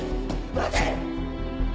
待て！